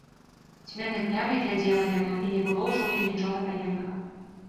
Цьмянай плямай глядзела яно, і не было ўжо ў ім нічога таемнага.